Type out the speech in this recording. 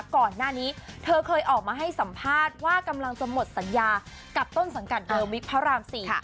ก่อนหน้านี้เธอเคยออกมาให้สัมภาษณ์ว่ากำลังจะหมดสัญญากับต้นสังกัดเดิมวิกพระราม๔